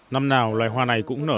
năm nào loài hoa này cũng nở ra